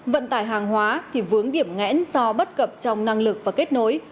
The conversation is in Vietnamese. vận tải hàng hóa thì vướng điểm ngẽn do bất cập trong năng lực và kết nối